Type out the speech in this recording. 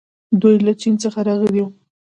دوی له چین څخه راغلي وو